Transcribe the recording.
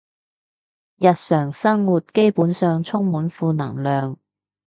日常生活基本上充滿負能量